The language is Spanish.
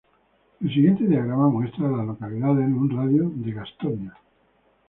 El siguiente diagrama muestra a las localidades en un radio de de Gastonia.